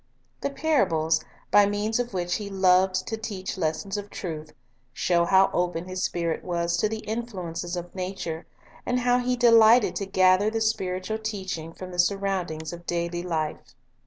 The parables, by means of which He loved to teach lessons of truth, show how open His spirit was to the influences of nature, and how He delighted to gather the spiritual teaching from the surroundings of daily life.